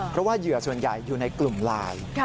เพราะว่าเหยื่อส่วนใหญ่อยู่ในกลุ่มไลน์